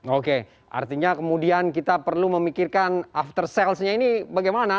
oke artinya kemudian kita perlu memikirkan after sales nya ini bagaimana